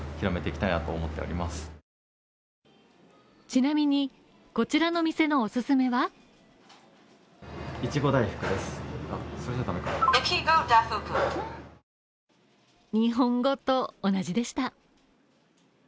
ちなみに、こちらのお店のおすすめは日本語と同じでした。